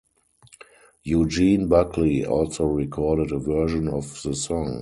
Eugene Buckley also recorded a version of the song.